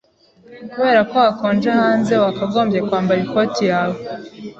Kubera ko hakonje hanze, wakagombye kwambara ikoti yawe.